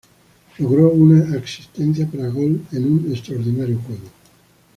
Logró una asistencia para gol en un extraordinario juego.